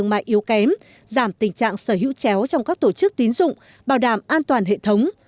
giảm tình trạng sở hữu chéo trong các tổ chức tín dụng bảo đảm an toàn hệ thống